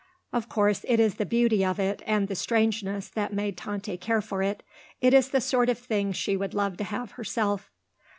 "Of course it is the beauty of it and the strangeness, that made Tante care for it. It is the sort of thing she would love to have herself."